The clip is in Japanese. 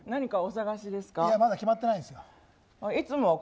まだ決まってないのよ。